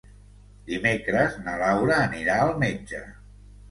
Dimecres na Laura anirà al metge.